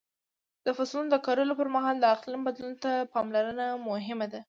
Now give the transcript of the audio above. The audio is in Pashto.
د فصلونو د کرلو پر مهال د اقلیم بدلون ته پاملرنه مهمه ده.